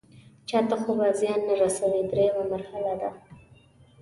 چاته خو به زیان نه رسوي دریمه مرحله ده.